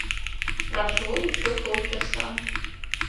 Прошло еще полчаса.